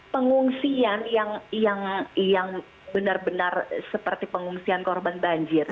pengungsian yang benar benar seperti pengungsian korban banjir